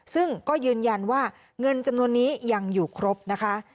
ซึ่งก็ยืนยันว่าเงินจำนวนนี้ยังอยู่ครบนะคะ